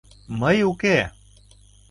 Мый уке...